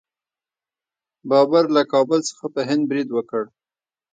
بابر له کابل څخه په هند برید وکړ.